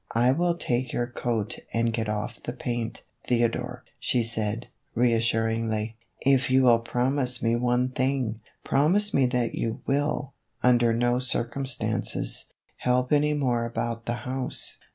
" I will take your coat and get off the paint, Theodore," she said, reassuringly, " if you will promise me one thing : promise me that you will, under no circumstances, help any more about the house."